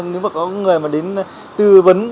nếu có người đến tư vấn